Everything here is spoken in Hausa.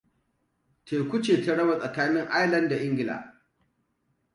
Teku ce ta raba tsakanin Ireland da Ingila.